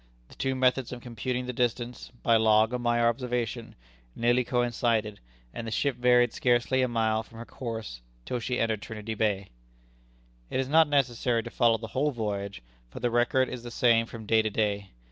The two methods of computing the distance by log and by observation nearly coincided, and the ship varied scarcely a mile from her course till she entered Trinity Bay. It is not necessary to follow the whole voyage, for the record is the same from day to day.